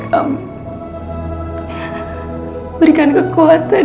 kau yang memberi kekuatan